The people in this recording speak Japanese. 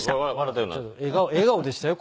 笑顔でしたよ